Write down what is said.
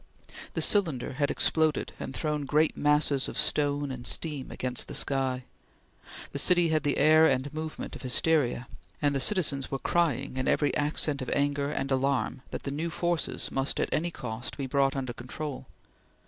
The cylinder had exploded, and thrown great masses of stone and steam against the sky. The city had the air and movement of hysteria, and the citizens were crying, in every accent of anger and alarm, that the new forces must at any cost be brought under control.